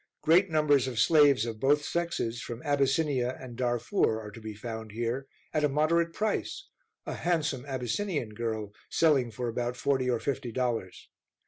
Great numbers of slaves of both sexes, from Abyssinia and Darfour, are to be found here, at a moderate price, a handsome Abyssinian girl selling for about forty or fifty dollars.